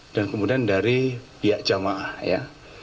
dan kemudian dari pihak jemaah ya